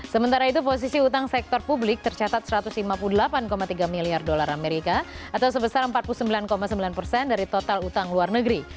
sementara itu posisi utang sektor publik tercatat satu ratus lima puluh delapan tiga miliar dolar amerika atau sebesar empat puluh sembilan sembilan persen dari total utang luar negeri